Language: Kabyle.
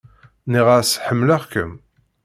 Nniɣ-as: Ḥemmleɣ-kem.